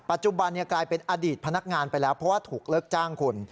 กลายเป็นอดีตพนักงานไปแล้วเพราะว่าถูกเลิกจ้างคุณ